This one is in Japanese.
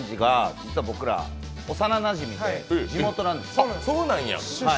高円寺が実は僕ら、幼なじみで地元なんですよ。